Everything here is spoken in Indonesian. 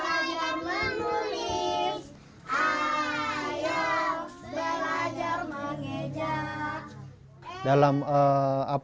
ayam belajar menulis ayam belajar mengejak